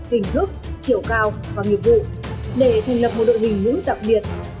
hình thức chiều cao và nghiệp vụ để thành lập một đội hình ngũ đặc biệt